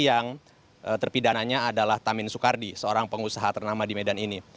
yang terpidananya adalah tamin soekardi seorang pengusaha ternama di medan ini